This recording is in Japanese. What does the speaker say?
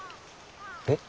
えっ？